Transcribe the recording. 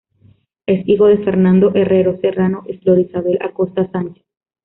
Es hijo de Fernando Herrero Serrano y Flor Isabel Acosta Sánchez.